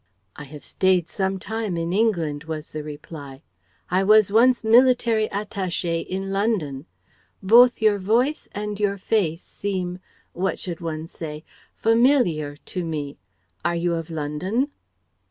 "I have stayed some time in England," was the reply; "I was once military attaché in London. Both your voice and your face seem what should one say? Familiar to me. Are you of London?"